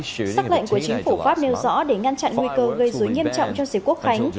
trước lệnh của chính phủ pháp nêu rõ để ngăn chặn nguy cơ gây dối nghiêm trọng cho dịp quốc khánh